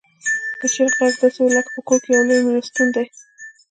د چرګې غږ داسې و لکه چې په کور کې يو لوی میلمستون دی.